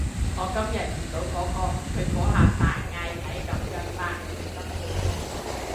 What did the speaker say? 我今日遇到嗰個，佢嗰下大嗌體感有百二分貝